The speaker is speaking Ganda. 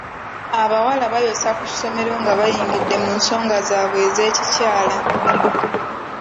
Abawala bayosa ku ssomero nga bayingidde mu nsonga zaabwe ez'ekikyala.